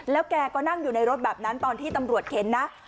แกก็นั่งอยู่ในรถแบบนั้นตอนที่ตำรวจเข็นนะ